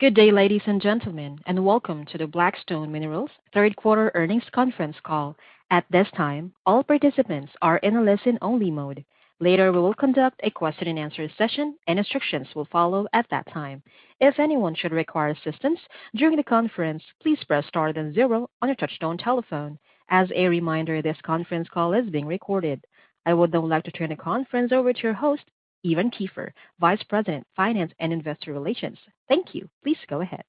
Good day, ladies and gentlemen, and welcome to the Black Stone Minerals third quarter earnings conference call. At this time, all participants are in a listen-only mode. Later, we will conduct a question-and-answer session, and instructions will follow at that time. If anyone should require assistance during the conference, please press star then zero on your touchtone telephone. As a reminder, this conference is being recorded. I would now like to turn the conference over to your host, Evan Kiefer, Vice President, Finance and Investor Relations. Thank you. Please go ahead.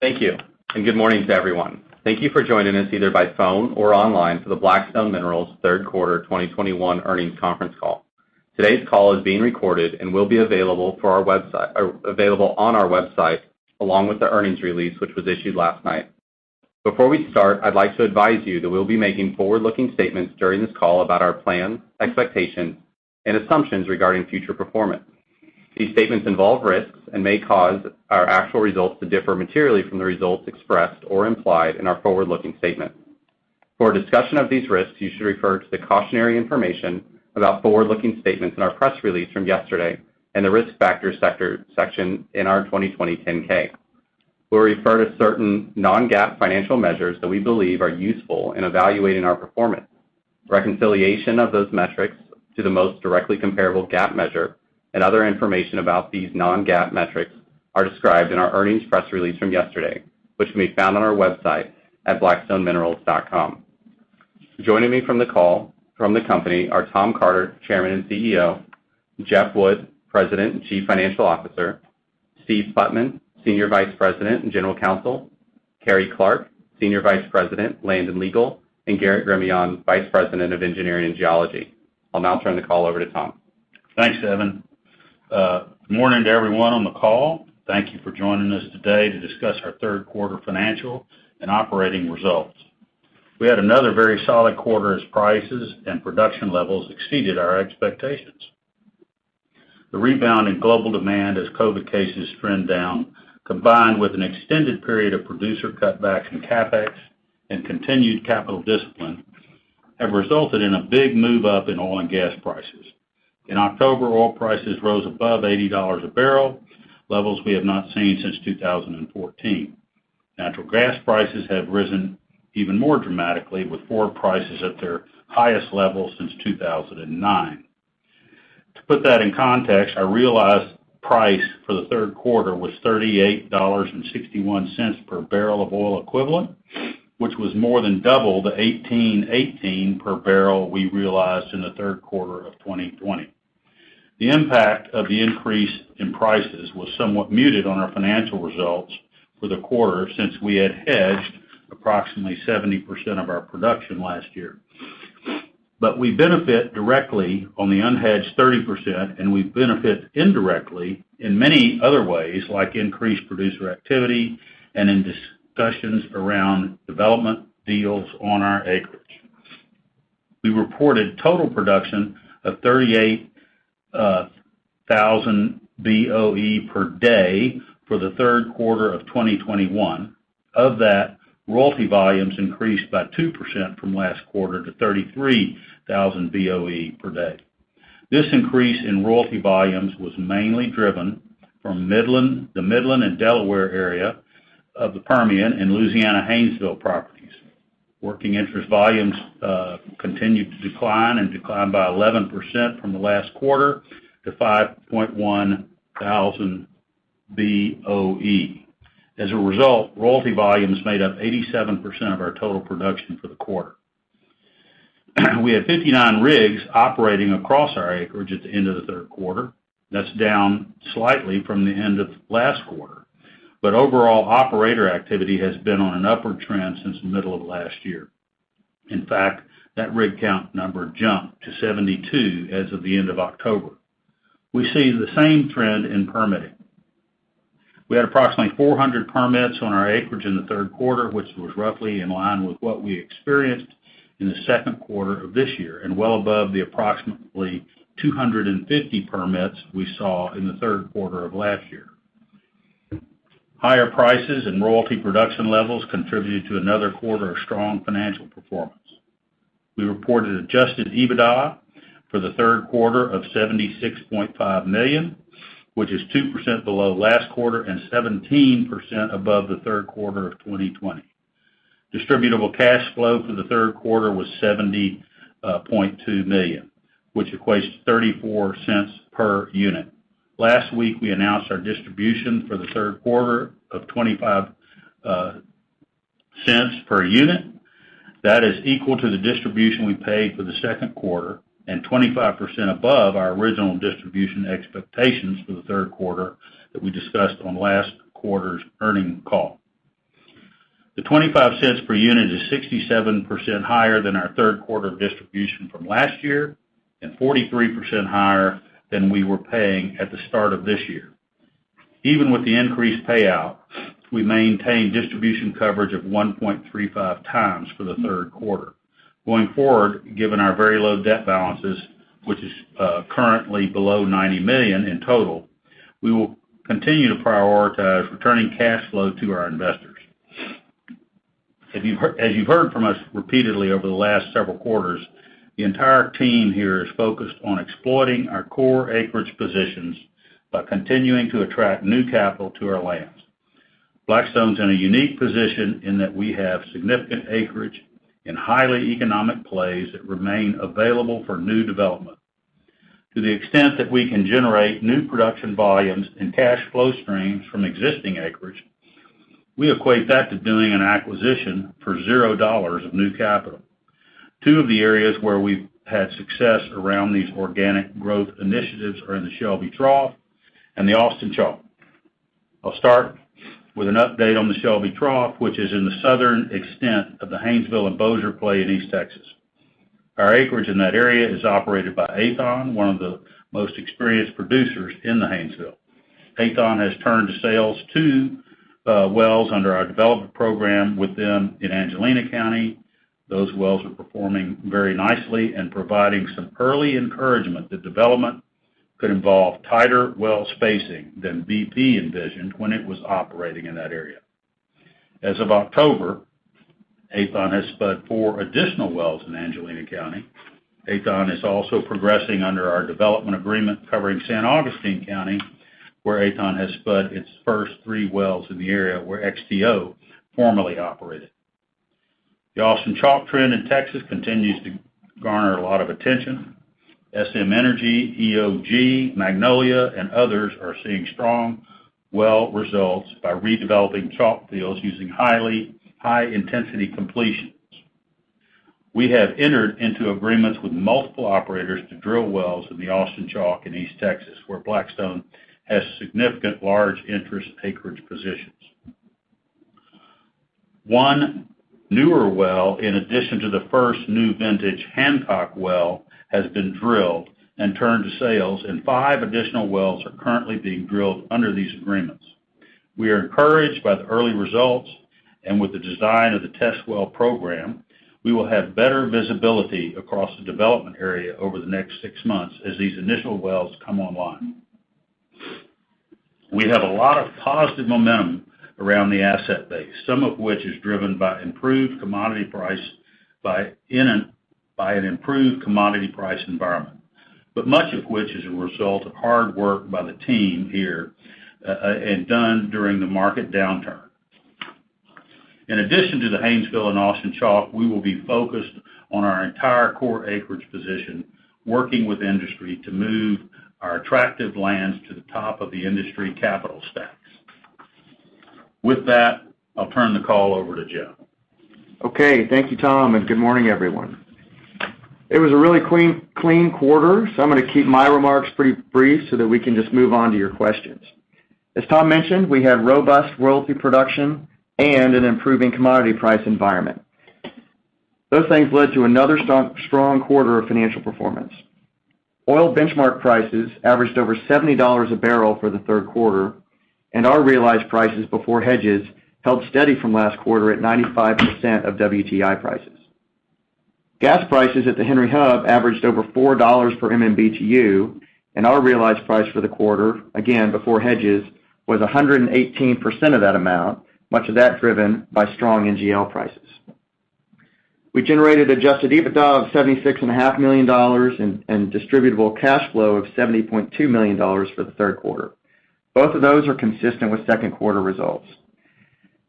Thank you, and good morning to everyone. Thank you for joining us, either by phone or online, for the Black Stone Minerals third quarter 2021 earnings conference call. Today's call is being recorded and will be available on our website, along with the earnings release which was issued last night. Before we start, I'd like to advise you that we'll be making forward-looking statements during this call about our plans, expectations, and assumptions regarding future performance. These statements involve risks and may cause our actual results to differ materially from the results expressed or implied in our forward-looking statements. For a discussion of these risks, you should refer to the cautionary information about forward-looking statements in our press release from yesterday and the Risk Factors section in our 2020 10-K. We'll refer to certain non-GAAP financial measures that we believe are useful in evaluating our performance. Reconciliation of those metrics to the most directly comparable GAAP measure and other information about these non-GAAP metrics are described in our earnings press release from yesterday, which can be found on our website at blackstoneminerals.com. Joining me from the call from the company are Tom Carter, Chairman and CEO, Jeff Wood, President and Chief Financial Officer, Steve Putman, Senior Vice President and General Counsel, Carrie Clark, Senior Vice President, Land and Legal, and Garrett Gremillion, Vice President of Engineering and Geology. I'll now turn the call over to Tom. Thanks, Evan. Good morning to everyone on the call. Thank you for joining us today to discuss our third quarter financial and operating results. We had another very solid quarter as prices and production levels exceeded our expectations. The rebound in global demand as COVID cases trend down, combined with an extended period of producer cutbacks in CapEx and continued capital discipline, have resulted in a big move up in oil and gas prices. In October, oil prices rose above $80 a barrel, levels we have not seen since 2014. Natural gas prices have risen even more dramatically, with forward prices at their highest level since 2009. To put that in context, our realized price for the third quarter was $38.61 pbbl of oil equivalent, which was more than double the $18.18 pbbl we realized in the third quarter of 2020. The impact of the increase in prices was somewhat muted on our financial results for the quarter since we had hedged approximately 70% of our production last year. We benefit directly on the unhedged 30%, and we benefit indirectly in many other ways, like increased producer activity and in discussions around development deals on our acreage. We reported total production of 38,000 BOE per day for the third quarter of 2021. Of that, royalty volumes increased by 2% from last quarter to 33,000 BOE per day. This increase in royalty volumes was mainly driven from Midland, the Midland and Delaware area of the Permian and Louisiana Haynesville properties. Working interest volumes continued to decline and declined by 11% from the last quarter to 5,100 BOE. As a result, royalty volumes made up 87% of our total production for the quarter. We had 59 rigs operating across our acreage at the end of the third quarter. That's down slightly from the end of last quarter. Overall, operator activity has been on an upward trend since the middle of last year. In fact, that rig count number jumped to 72 as of the end of October. We see the same trend in permitting. We had approximately 400 permits on our acreage in the third quarter, which was roughly in line with what we experienced in the second quarter of this year, and well above the approximately 250 permits we saw in the third quarter of last year. Higher prices and royalty production levels contributed to another quarter of strong financial performance. We reported adjusted EBITDA for the third quarter of $76.5 million, which is 2% below last quarter and 17% above the third quarter of 2020. Distributable cash flow for the third quarter was $70.2 million, which equates $0.34 per unit. Last week, we announced our distribution for the third quarter of $0.25 per unit. That is equal to the distribution we paid for the second quarter and 25% above our original distribution expectations for the third quarter that we discussed on last quarter's earnings call. The $0.25 per unit is 67% higher than our third quarter distribution from last year and 43% higher than we were paying at the start of this year. Even with the increased payout, we maintain distribution coverage of 1.35x for the third quarter. Going forward, given our very low debt balances, which is currently below $90 million in total, we will continue to prioritize returning cash flow to our investors. As you've heard from us repeatedly over the last several quarters, the entire team here is focused on exploiting our core acreage positions by continuing to attract new capital to our lands. Black Stone Minerals is in a unique position in that we have significant acreage and highly economic plays that remain available for new development. To the extent that we can generate new production volumes and cash flow streams from existing acreage, we equate that to doing an acquisition for $0 of new capital. Two of the areas where we've had success around these organic growth initiatives are in the Shelby Trough and the Austin Chalk. I'll start with an update on the Shelby Trough, which is in the southern extent of the Haynesville and Bossier play in East Texas. Our acreage in that area is operated by Aethon, one of the most experienced producers in the Haynesville. Aethon has turned to sales two wells under our development program with them in Angelina County. Those wells are performing very nicely and providing some early encouragement that development could involve tighter well spacing than BP envisioned when it was operating in that area. As of October, Aethon has spudded four additional wells in Angelina County. Aethon is also progressing under our development agreement covering San Augustine County, where Aethon has spudded its first three wells in the area where XTO formerly operated. The Austin Chalk Trend in Texas continues to garner a lot of attention. SM Energy, EOG, Magnolia, and others are seeing strong well results by redeveloping chalk fields using highly high-intensity completions. We have entered into agreements with multiple operators to drill wells in the Austin Chalk in East Texas, where Black Stone has significant large interest acreage positions. One newer well, in addition to the first new vintage Hancock well, has been drilled and turned to sales, and five additional wells are currently being drilled under these agreements. We are encouraged by the early results, and with the design of the test well program, we will have better visibility across the development area over the next six months as these initial wells come online. We have a lot of positive momentum around the asset base, some of which is driven by an improved commodity price environment, but much of which is a result of hard work by the team here and done during the market downturn. In addition to the Haynesville and Austin Chalk, we will be focused on our entire core acreage position, working with industry to move our attractive lands to the top of the industry capital stacks. With that, I'll turn the call over to Jeff. Okay. Thank you, Tom, and good morning, everyone. It was a really clean quarter, so I'm gonna keep my remarks pretty brief so that we can just move on to your questions. As Tom mentioned, we had robust royalty production and an improving commodity price environment. Those things led to another strong quarter of financial performance. Oil benchmark prices averaged over $70 a barrel for the third quarter, and our realized prices before hedges held steady from last quarter at 95% of WTI prices. Gas prices at the Henry Hub averaged over $4 per MMBtu, and our realized price for the quarter, again, before hedges, was 118% of that amount, much of that driven by strong NGL prices. We generated adjusted EBITDA of $76.5 million and distributable cash flow of $70.2 million for the third quarter. Both of those are consistent with second quarter results.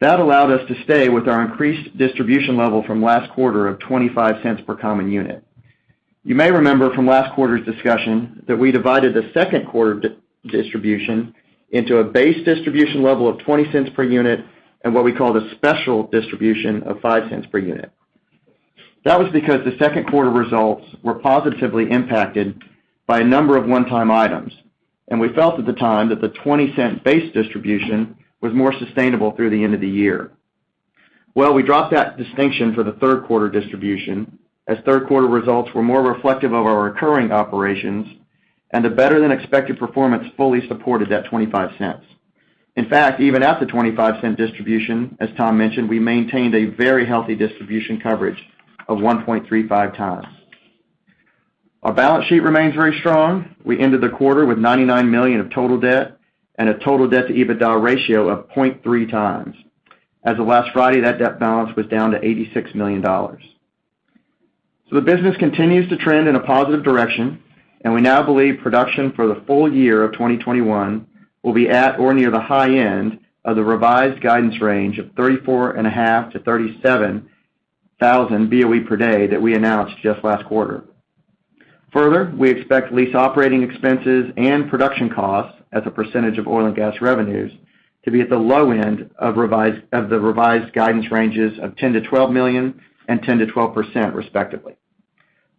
That allowed us to stay with our increased distribution level from last quarter of $0.25 per common unit. You may remember from last quarter's discussion that we divided the second quarter distribution into a base distribution level of $0.20 Per unit and what we called a special distribution of $0.05 per unit. That was because the second quarter results were positively impacted by a number of one-time items, and we felt at the time that the $0.20 base distribution was more sustainable through the end of the year. Well, we dropped that distinction for the third quarter distribution, as third quarter results were more reflective of our recurring operations, and the better-than-expected performance fully supported that $0.25. In fact, even at the $0.25 distribution, as Tom mentioned, we maintained a very healthy distribution coverage of 1.35x. Our balance sheet remains very strong. We ended the quarter with $99 million of total debt and a total debt-to-EBITDA ratio of 0.3x. As of last Friday, that debt balance was down to $86 million. The business continues to trend in a positive direction, and we now believe production for the full year of 2021 will be at or near the high end of the revised guidance range of 34,500-37,000 BOE per day that we announced just last quarter. Further, we expect lease operating expenses and production costs as a percentage of oil and gas revenues to be at the low end of the revised guidance ranges of $10 million-$12 million and 10%-12% respectively.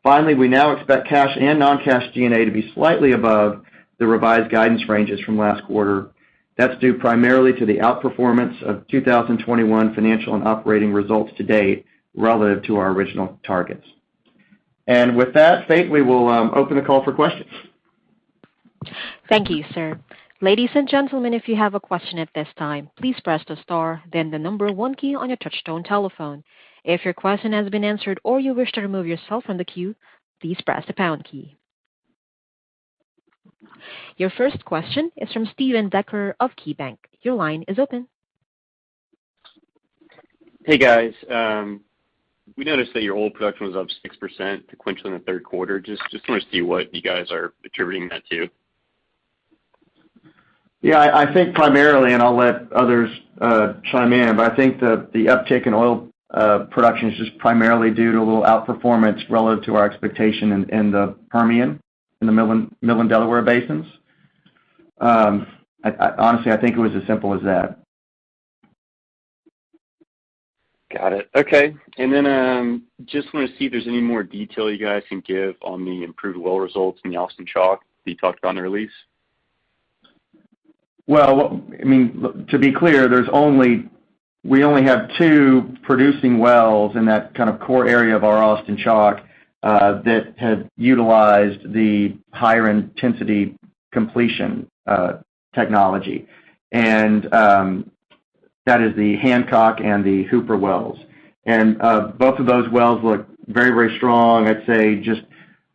Finally, we now expect cash and non-cash G&A to be slightly above the revised guidance ranges from last quarter. That's due primarily to the outperformance of 2021 financial and operating results to date relative to our original targets. With that, Faith, we will open the call for questions. Thank you, sir. Ladies and gentlemen, if you have a question at this time, please press the star, then the number one key on your touchtone telephone. If your question has been answered or you wish to remove yourself from the queue, please press the pound key. Your first question is from Steven Dechert of KeyBanc. Your line is open. Hey, guys. We noticed that your oil production was up 6% sequentially in the third quarter. Wanna see what you guys are attributing that to? Yeah. I think primarily, and I'll let others chime in, but I think the uptick in oil production is just primarily due to a little outperformance relative to our expectation in the Permian, in the Midland-Delaware basins. I honestly think it was as simple as that. Got it. Okay. Just wanna see if there's any more detail you guys can give on the improved well results in the Austin Chalk that you talked on the release? To be clear, we only have two producing wells in that kind of core area of our Austin Chalk that have utilized the higher intensity completion technology. That is the Hancock and the Hooper wells. Both of those wells look very, very strong. I'd say just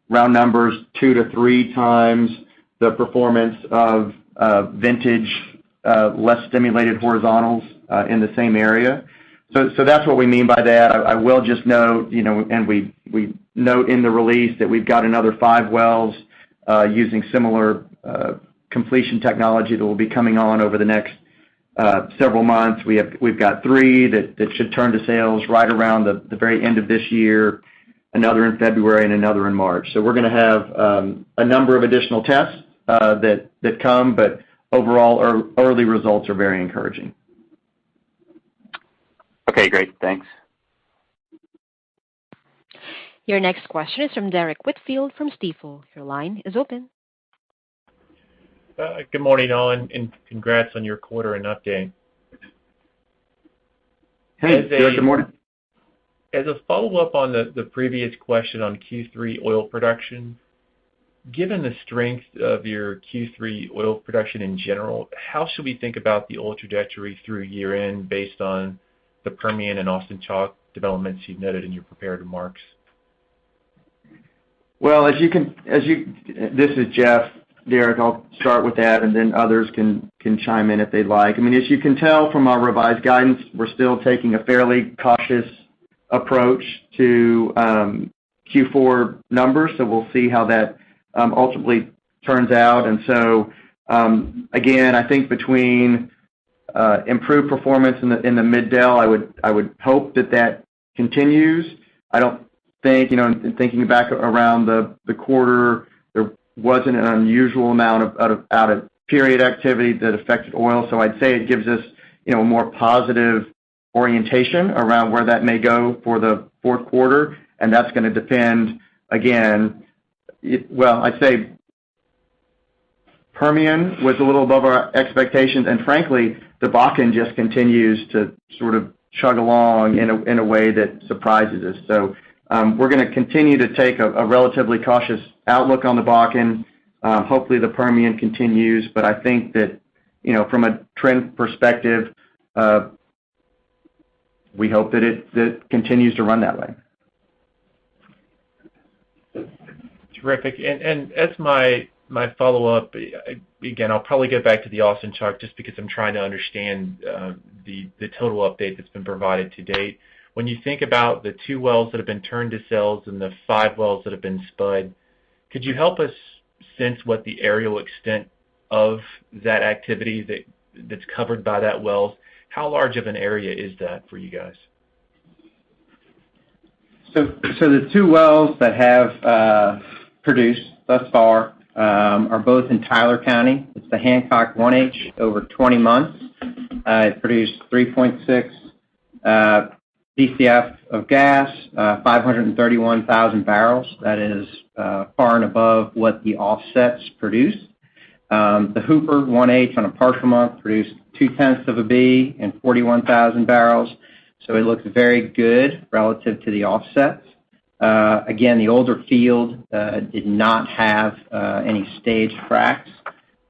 round numbers, 2-3x the performance of vintage less stimulated horizontals in the same area. So that's what we mean by that. I will just note, you know, and we note in the release that we've got another five wells using similar completion technology that will be coming on over the next several months. We've got three that should turn to sales right around the very end of this year, another in February and another in March. We're gonna have a number of additional tests that come, but overall, early results are very encouraging. Okay, great. Thanks. Your next question is from Derrick Whitfield from Stifel. Your line is open. Good morning, all, and congrats on your quarter and update. Hey, Derrick. Good morning. As a follow-up on the previous question on Q3 oil production, given the strength of your Q3 oil production in general, how should we think about the oil trajectory through year-end based on the Permian and Austin Chalk developments you've noted in your prepared remarks? This is Jeff. Derrick, I'll start with that, and then others can chime in if they'd like. I mean, as you can tell from our revised guidance, we're still taking a fairly cautious approach to Q4 numbers, so we'll see how that ultimately turns out. Again, I think between improved performance in the Mid-Del, I would hope that continues. I don't think, you know, in thinking back around the quarter, there wasn't an unusual amount of out of period activity that affected oil, so I'd say it gives us, you know, a more positive orientation around where that may go for the fourth quarter, and that's gonna depend, again, it. Well, I'd say Permian was a little above our expectations, and frankly, the Bakken just continues to sort of chug along in a way that surprises us. We're gonna continue to take a relatively cautious outlook on the Bakken. Hopefully, the Permian continues, but I think that, you know, from a trend perspective, we hope that it continues to run that way. Terrific. As my follow-up, again, I'll probably get back to the Austin Chalk just because I'm trying to understand the total update that's been provided to date. When you think about the two wells that have been turned to sales and the five wells that have been spud, could you help us sense what the areal extent of that activity that's covered by those wells? How large of an area is that for you guys? The two wells that have produced thus far are both in Tyler County. It's the Hancock 1H over 20 months. It produced 3.6 Bcf of gas, 531,000 bbl. That is far and above what the offsets produce. The Hooper 1H on a partial month produced 0.2 Bcf and 41,000 bbl, so it looks very good relative to the offsets. Again, the older field did not have any staged fracs.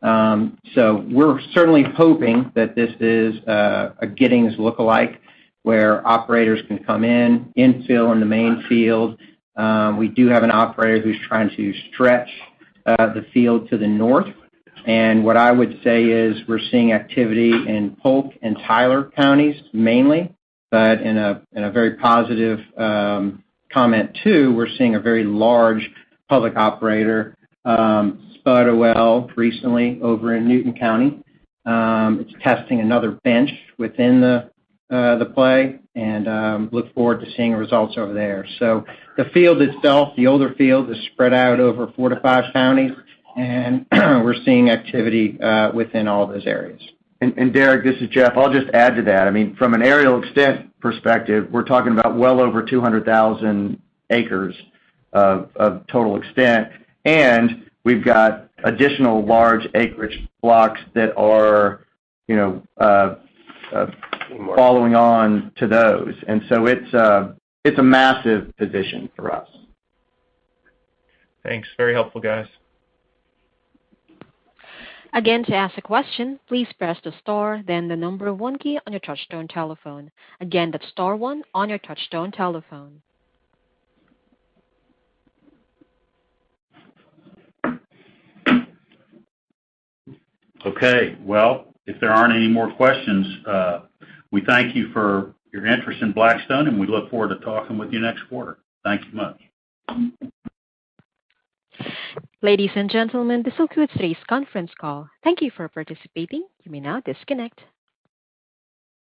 We're certainly hoping that this is a Giddings look-alike, where operators can come in, infill in the main field. We do have an operator who's trying to stretch the field to the north. What I would say is, we're seeing activity in Polk and Tyler Counties mainly, but in a very positive comment too, we're seeing a very large public operator spud a well recently over in Newton County. It's testing another bench within the play and look forward to seeing results over there. The field itself, the older field, is spread out over four to five counties, and we're seeing activity within all those areas. Derrick, this is Jeff. I'll just add to that. I mean, from an areal extent perspective, we're talking about well over 200,000 acres of total extent, and we've got additional large acreage blocks that are, you know, following on to those. It's a massive position for us. Thanks. Very helpful, guys. Again, to ask a question, please press the star then the number one key on your touchtone telephone. Again, that's star one on your touchtone telephone. Okay. Well, if there aren't any more questions, we thank you for your interest in Black Stone Minerals, and we look forward to talking with you next quarter. Thank you much. Ladies and gentlemen, this will conclude today's conference call. Thank you for participating. You may now disconnect.